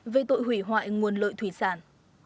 về tội hủy hoại nguồn lợi thủy sản